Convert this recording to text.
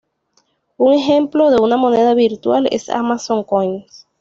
Un ejemplo de una moneda virtual es Amazon Coins.